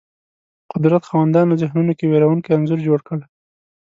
قدرت خاوندانو ذهنونو کې وېرونکی انځور جوړ کړ